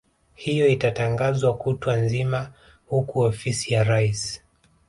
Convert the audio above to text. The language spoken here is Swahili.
hiyo itatangazwa kutwa nzima huku ofisi ya rais